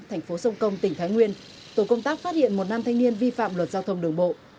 thành phố sông công tỉnh thái nguyên tổ công tác phát hiện một nam thanh niên vi phạm luật giao thông đường bộ